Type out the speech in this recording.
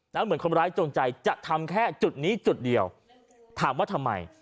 เหมือนคนร้ายจงใจจะทำแค่จุดนี้จุดเดียวถามว่าทำไม